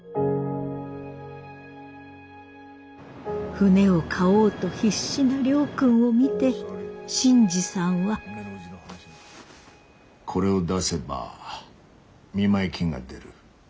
船を買おうと必死な亮君を見て新次さんは。これを出せば見舞い金が出る。